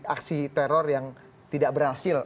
aksi teror yang tidak berhasil